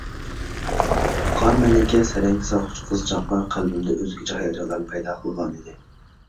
قار مەلىكە، سەرەڭگە ساتقۇچى قىزچاقلار قەلبىمدە ئۆزگىچە ھاياجانلارنى پەيدا قىلغانىدى.